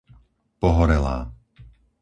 Pohorelá